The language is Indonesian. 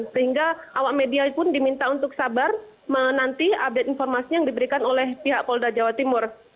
sehingga awak media pun diminta untuk sabar menanti update informasi yang diberikan oleh pihak polda jawa timur